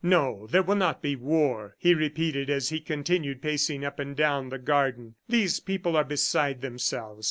"No, there will not be war," he repeated as he continued pacing up and down the garden. "These people are beside themselves.